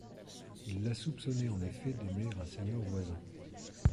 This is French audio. Il la soupçonnait en effet d'aimer un seigneur voisin.